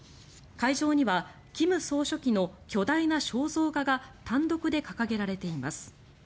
会場には金総書記の巨大な肖像画が単独で掲げられています。